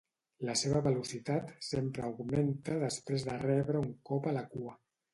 La seva velocitat sempre augmenta després de rebre un cop a la cua.